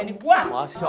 ini buah ini buah